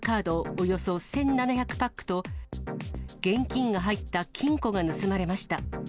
およそ１７００パックと、現金が入った金庫が盗まれました。